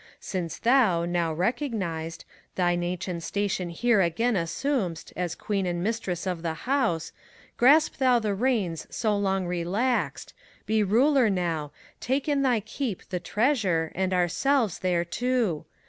142 FAUST. Since thotti now recognized, thine ancient station here Again assum'st, as Queen and Mistress of the House, Grasp thou the reigns so long relaxed, be ruler now» Take in thy keep the treasure, and ourselves thereto !